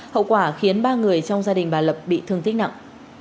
hậu quả khiến ba người trong gia đình bà lập bị thương tích nặng